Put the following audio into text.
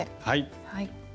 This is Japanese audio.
はい。